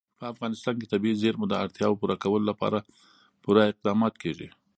په افغانستان کې د طبیعي زیرمو د اړتیاوو پوره کولو لپاره پوره اقدامات کېږي.